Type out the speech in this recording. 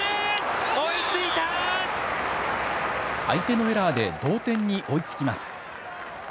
相手のエラーで同点に追いつきます。